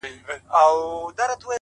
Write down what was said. بېشکه ته پر هر څه قادر یې